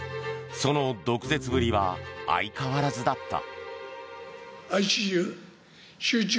その毒舌ぶりは相変わらずだった。